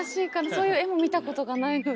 そういう絵も見たことがないので。